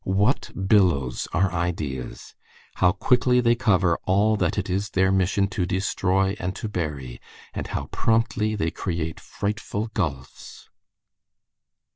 What billows are ideas! How quickly they cover all that it is their mission to destroy and to bury, and how promptly they create frightful gulfs!